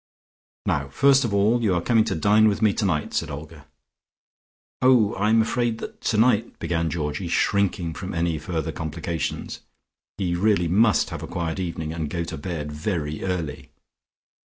"Now first of all you are coming to dine with me tonight," said Olga. "Oh, I'm afraid that tonight " began Georgie, shrinking from any further complications. He really must have a quiet evening, and go to bed very early.